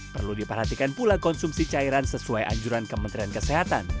perlu diperhatikan pula konsumsi cairan sesuai anjuran kementerian kesehatan